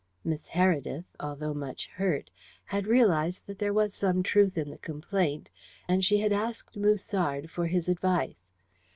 Miss Heredith, although much hurt, had realized that there was some truth in the complaint, and she had asked Musard for his advice.